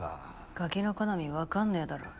ガキの好み分かんねぇだろ。